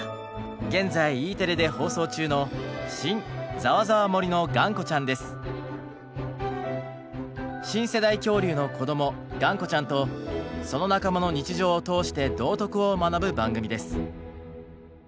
現在Ｅテレで放送中の新世代恐竜のこどもがんこちゃんとその仲間の日常を通して道徳を学ぶ番組です。